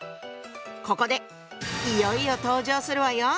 ここでいよいよ登場するわよ。